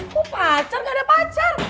kok pacar gak ada pacar